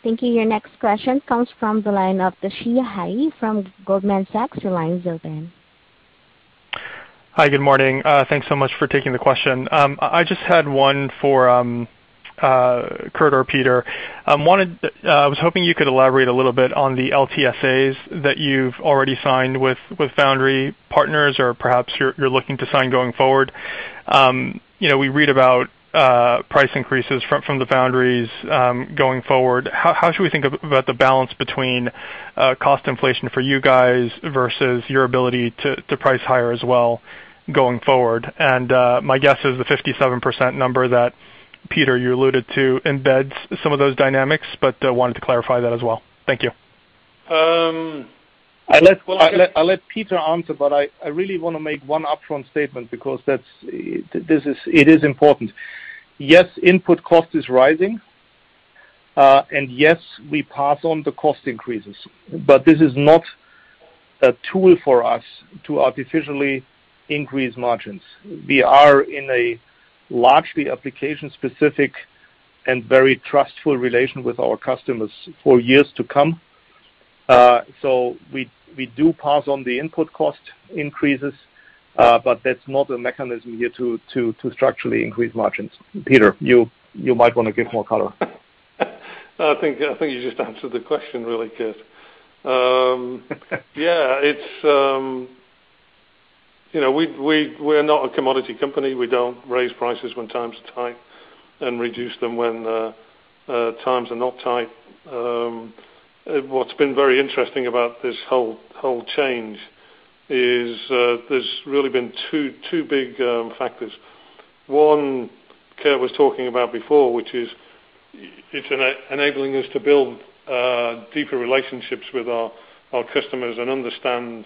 Thank you. Your next question comes from the line of the Toshiya Hari from Goldman Sachs. Your line is open. Hi. Good morning. Thanks so much for taking the question. I just had one for Kurt or Peter. I was hoping you could elaborate a little bit on the LTSAs that you've already signed with foundry partners, or perhaps you're looking to sign going forward. We read about price increases from the foundries going forward. How should we think about the balance between cost inflation for you guys versus your ability to price higher as well going forward? My guess is the 57% number that, Peter, you alluded to embeds some of those dynamics, but wanted to clarify that as well. Thank you. I'll let Peter answer, but I really want to make one upfront statement because it is important. Yes, input cost is rising, and yes, we pass on the cost increases, but this is not a tool for us to artificially increase margins. We are in a largely application-specific and very trustful relation with our customers for years to come. We do pass on the input cost increases, but that's not a mechanism here to structurally increase margins. Peter, you might want to give more color. I think you just answered the question really, Kurt. Yeah. We're not a commodity company. We don't raise prices when times are tight and reduce them when times are not tight. What's been very interesting about this whole change is there's really been two big factors. One, Kurt was talking about before, which is it's enabling us to build deeper relationships with our customers and understand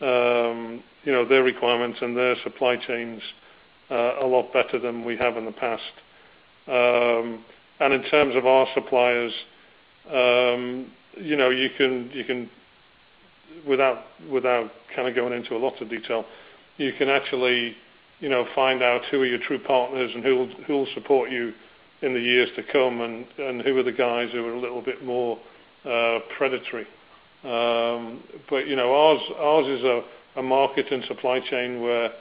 their requirements and their supply chains a lot better than we have in the past. In terms of our suppliers, without going into a lot of detail, you can actually find out who are your true partners and who will support you in the years to come, and who are the guys who are a little bit more predatory. Ours is a market and supply chain where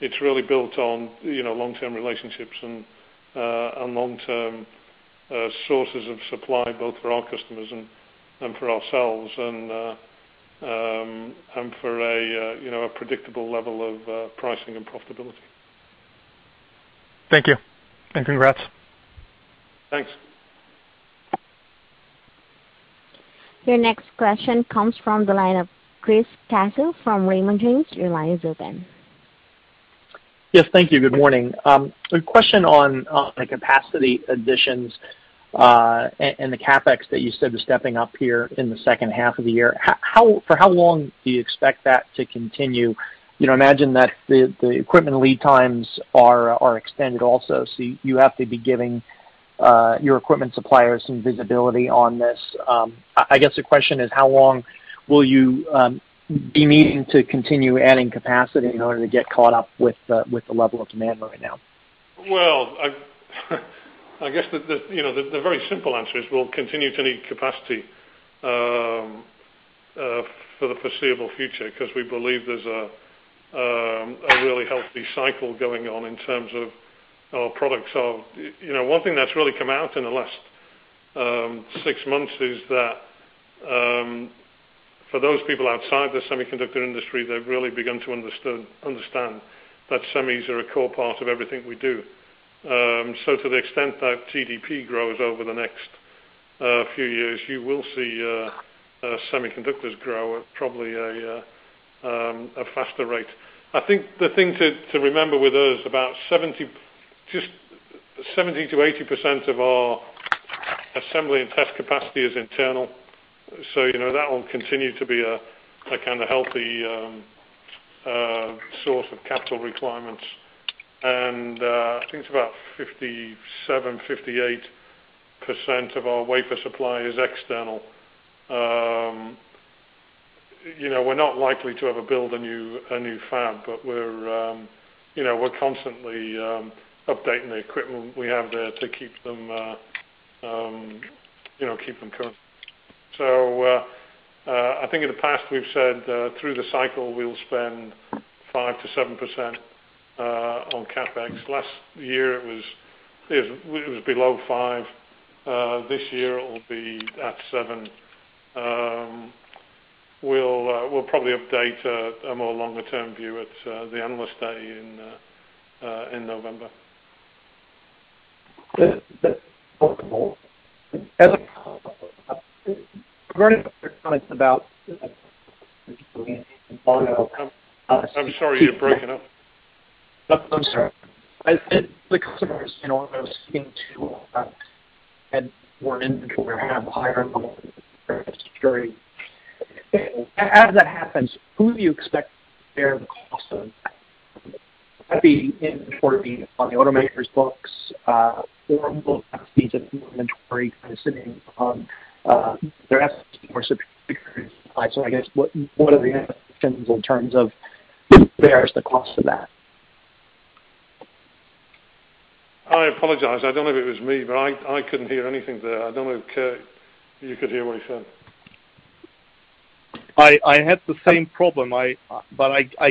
it's really built on long-term relationships and long-term sources of supply, both for our customers and for ourselves, and for a predictable level of pricing and profitability. Thank you, and congrats. Thanks. Your next question comes from the line of Chris Caso from Raymond James. Yes. Thank you. Good morning. A question on the capacity additions, and the CapEx that you said was stepping up here in the second half of the year. For how long do you expect that to continue? Imagine that the equipment lead times are extended also. You have to be giving your equipment suppliers some visibility on this. I guess the question is, how long will you be needing to continue adding capacity in order to get caught up with the level of demand right now? I guess the very simple answer is we'll continue to need capacity for the foreseeable future because we believe there's a really healthy cycle going on in terms of our products. One thing that's really come out in the last six months is that for those people outside the semiconductor industry, they've really begun to understand that semis are a core part of everything we do. To the extent that GDP grows over the next few years, you will see semiconductors grow at probably a faster rate. I think the thing to remember with us, about 70%-80% of our Assembly and test capacity is internal, so that will continue to be a kind of healthy source of capital requirements. I think it's about 57%, 58% of our wafer supply is external. We're not likely to ever build a new fab. We're constantly updating the equipment we have there to keep them current. I think in the past we've said, through the cycle we'll spend 5%-7% on CapEx. Last year it was below 5%. This year it will be at 7%. We'll probably update a more longer-term view at the Analyst Day in November. About auto. I'm sorry, you're breaking up. I'm sorry. As the customers I was speaking to about, had more inventory or have higher level security. As that happens, who do you expect to bear the cost of that? That being inventory on the automakers books, or will that be just inventory kind of sitting on their assets or security supplies? I guess, what are the implications in terms of who bears the cost of that? I apologize. I don't know if it was me, but I couldn't hear anything there. I don't know if you could hear what he said. I had the same problem. I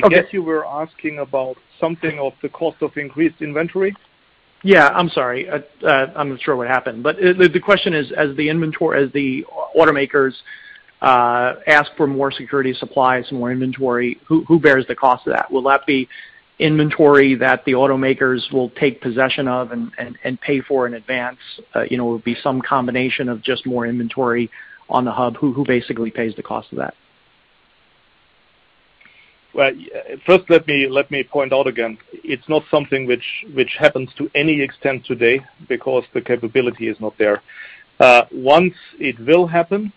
guess you were asking about something of the cost of increased inventory? Yeah. I'm sorry. I'm not sure what happened. The question is, as the automakers ask for more security supplies, more inventory, who bears the cost of that? Will that be inventory that the automakers will take possession of and pay for in advance? Will it be some combination of just more inventory on the hub? Who basically pays the cost of that? Well, first, let me point out again, it's not something which happens to any extent today because the capability is not there. Once it will happen,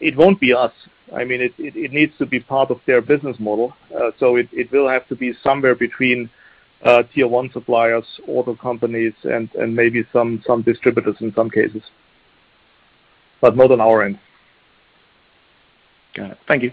it won't be us. It needs to be part of their business model. It will have to be somewhere between Tier 1 suppliers, auto companies, and maybe some distributors in some cases. Not on our end. Got it. Thank you.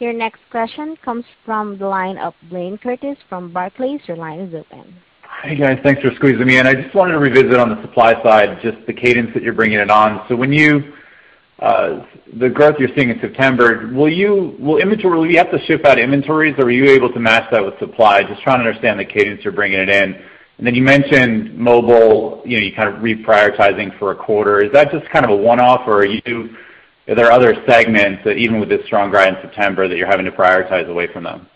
Your next question comes from the line of Blayne Curtis from Barclays. Your line is open. Hey, guys. Thanks for squeezing me in. I just wanted to revisit on the supply side, just the cadence that you're bringing it on. The growth you're seeing in September, will you have to ship out inventories, or were you able to match that with supply? Just trying to understand the cadence you're bringing it in. You mentioned Mobile, you're kind of reprioritizing for a quarter. Is that just kind of a one-off, or are there other segments, even with this strong guide in September, that you're having to prioritize away from them?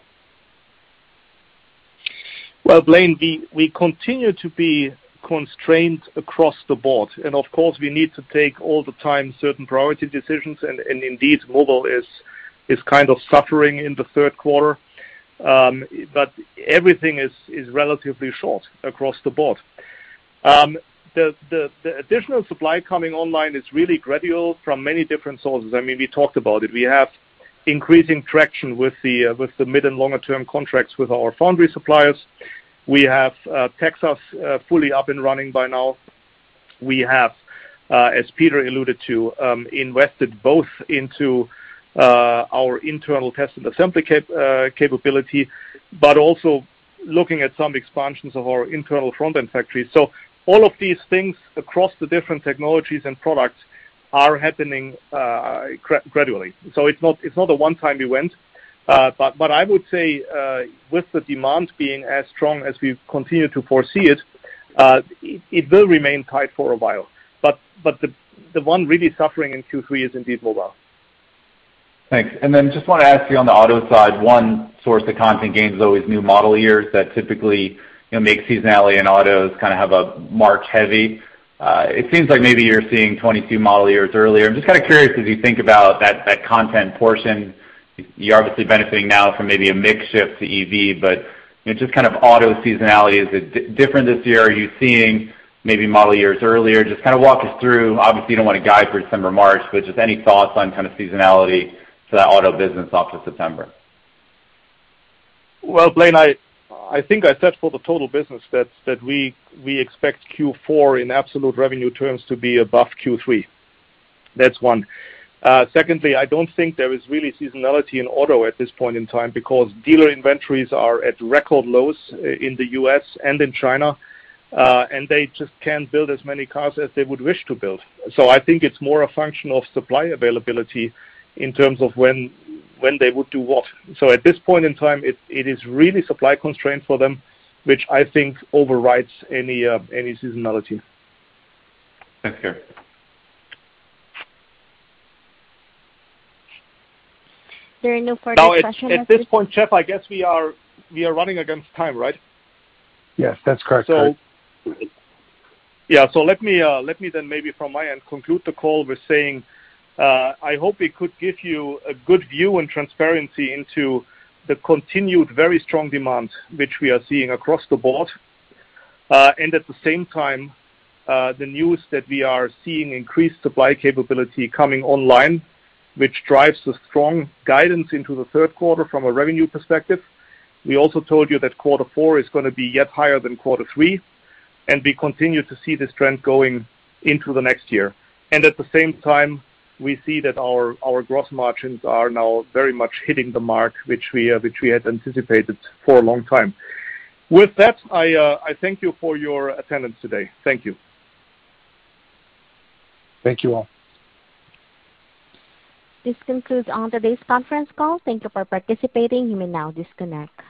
Well, Blayne, we continue to be constrained across the board. Of course, we need to take all the time certain priority decisions. Indeed, Mobile is kind of suffering in the third quarter. Everything is relatively short across the board. The additional supply coming online is really gradual from many different sources. We talked about it. We have increasing traction with the mid and longer-term contracts with our foundry suppliers. We have Texas fully up and running by now. We have, as Peter alluded to, invested both into our internal test and assembly capability, but also looking at some expansions of our internal front-end factories. All of these things across the different technologies and products are happening gradually. It's not a one time event. I would say, with the demand being as strong as we continue to foresee it will remain tight for a while. The one really suffering in Q3 is indeed Mobile. Thanks. Just want to ask you on the auto side, one source of content gain is always new model years that typically make seasonality in autos kind of have a March heavy. It seems like maybe you're seeing 2022 model years earlier. I'm just kind of curious, as you think about that content portion, you're obviously benefiting now from maybe a mix shift to EV, but just kind of auto seasonality, is it different this year? Are you seeing maybe model years earlier? Just kind of walk us through. Obviously, you don't want to guide for December, March, but just any thoughts on kind of seasonality to that auto business off of September? Well, Blayne, I think I said for the total business that we expect Q4 in absolute revenue terms to be above Q3. That's one. Secondly, I don't think there is really seasonality in auto at this point in time because dealer inventories are at record lows in the U.S. and in China. They just can't build as many cars as they would wish to build. I think it's more a function of supply availability in terms of when they would do what. At this point in time, it is really supply constraint for them, which I think overrides any seasonality. Thanks, Kurt Sievers. There are no further questions. Now, at this point, Jeff, I guess we are running against time, right? Yes, that's correct, Kurt. Let me from my end conclude the call with saying, I hope we could give you a good view and transparency into the continued very strong demand which we are seeing across the board. At the same time, the news that we are seeing increased supply capability coming online, which drives the strong guidance into the third quarter from a revenue perspective. We also told you that quarter four is going to be yet higher than quarter three, we continue to see this trend going into the next year. At the same time, we see that our gross margins are now very much hitting the mark, which we had anticipated for a long time. With that, I thank you for your attendance today. Thank you. Thank you all. This concludes today's conference call. Thank you for participating. You may now disconnect.